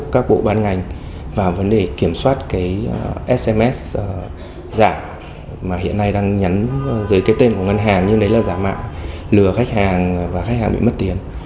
các bộ ban ngành và vấn đề kiểm soát sms giảm mà hiện nay đang nhắn dưới cái tên của ngân hàng như đấy là giảm mạng lừa khách hàng và khách hàng bị mất tiền